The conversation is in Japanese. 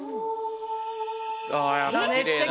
やっぱきれいだね。